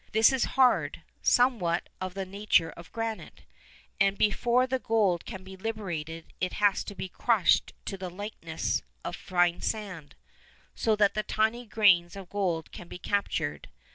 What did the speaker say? This is hard, somewhat of the nature of granite, and before the gold can be liberated it has to be crushed to the likeness of fine sand, so that the tiny grains of gold can be captured.